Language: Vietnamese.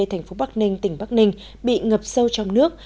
thành phố bắc ninh tỉnh bắc ninh bị ngập sâu trong nước